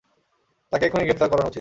তাকে এক্ষুনি গ্রেফতার করানো উচিত!